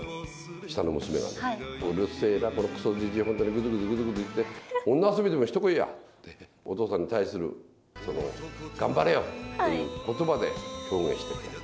下の娘がね、うるせぇな、このくそじじい、本当にぐずぐず言って、女遊びでもしてこいやって、お父さんに対する頑張れよっていうことばで、表現してくれて。